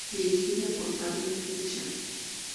Dirigida por David Fincher.